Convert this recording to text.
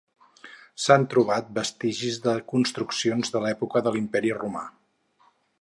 S'han trobat vestigis de construccions de l'època de l'Imperi Romà.